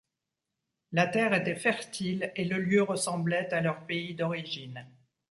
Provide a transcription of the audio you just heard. La terre était fertile et le lieu ressemblait à leurs pays d'origine.